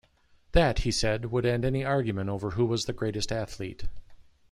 That, he said, would end any argument over who was the greater athlete.